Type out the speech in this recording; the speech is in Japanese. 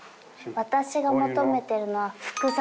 私が求めてるのは複雑。